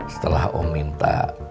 setelah om minta